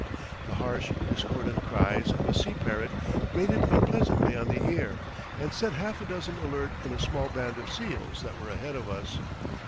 The harsh, discordant cries of a sea parrot grated unpleasantly on the ear, and set half a dozen alert in a small band of seals that were ahead of us.